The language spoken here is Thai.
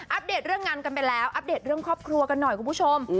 เดตเรื่องงานกันไปแล้วอัปเดตเรื่องครอบครัวกันหน่อยคุณผู้ชม